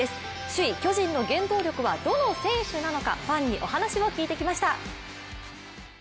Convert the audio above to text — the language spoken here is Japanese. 首位・巨人の原動力はどの選手なのかファンにお話を聞いてきました。